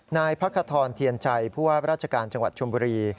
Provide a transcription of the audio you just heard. นายพระคฒรธรรมเทียนใจผู้ว่าราชการจังหวัดชนบุรี